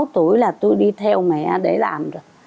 một mươi sáu tuổi là tôi đi theo mẹ để làm rồi